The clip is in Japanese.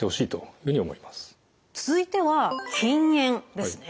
続いては「禁煙」ですね。